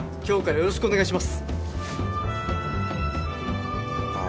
よろしくお願いします！